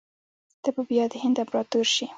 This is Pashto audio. ته به بیا د هند امپراطور سې.